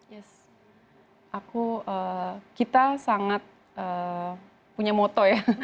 yes aku kita sangat punya moto ya